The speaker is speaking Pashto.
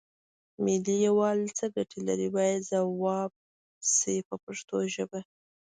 ملي یووالی څه ګټې لري باید ځواب شي په پښتو ژبه.